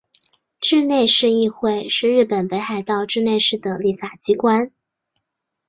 稚内市议会是日本北海道稚内市的立法机关。